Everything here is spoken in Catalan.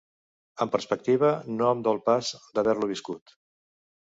Amb perspectiva no em dol pas d'haver-lo viscut.